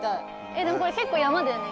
でもこれ結構山だよね。